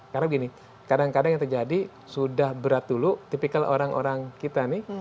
karena begini kadang kadang yang terjadi sudah berat dulu tipikal orang orang kita nih